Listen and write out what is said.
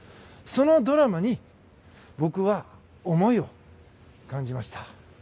そのドラマに僕は思いを感じました。